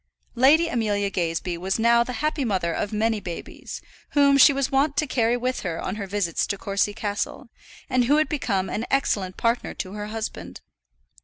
Lady Amelia Gazebee was now the happy mother of many babies, whom she was wont to carry with her on her visits to Courcy Castle, and had become an excellent partner to her husband.